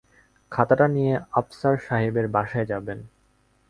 খাতাটা নিয়ে আফসার সাহেবের বাসায় যাবেন।